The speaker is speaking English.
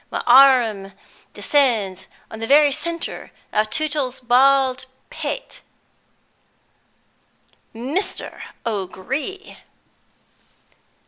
My arrum descends on the very centre of Tootle's bald pate " "Mr. O'Gree!"